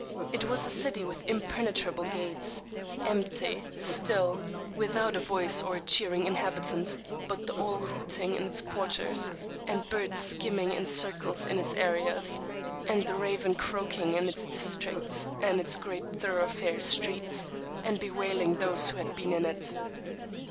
It was a city with impenetrable gates, empty, still, without a voice or a cheering inhabitant, but the owl hooting in its quarters, and birds skimming in circles in its areas, and the raven croaking in its districts and its great thoroughfare streets, and bewailing those who had been in it.